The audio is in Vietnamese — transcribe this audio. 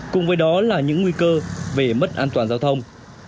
cùng với đó là những nguy cơ về mất an toàn giao thông